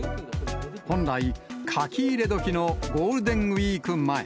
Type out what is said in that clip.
本来、書き入れ時のゴールデンウィーク前。